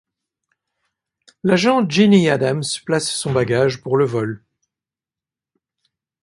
L’agent Jeannie Adams place son bagage pour le vol.